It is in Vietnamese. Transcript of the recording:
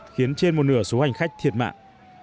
khiến trên một nửa số hành khách thiệt mạng